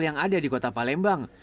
yang ada di kota palembang